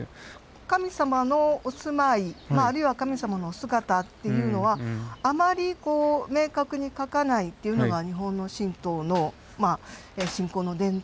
神様のお住まいまああるいは神様のお姿っていうのはあまりこう明確に描かないっていうのが日本の神道のまあ信仰の伝統ですね。